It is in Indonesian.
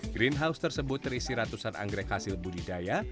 greenhouse tersebut terisi ratusan anggrek hasil budidaya